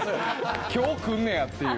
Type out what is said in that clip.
今日、来んねやっていう。